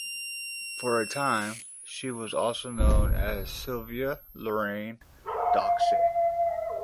For a time, she was also known as Sylvia Lorraine Doxsee.